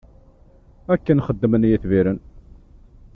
Akken xeddmen yetbiren.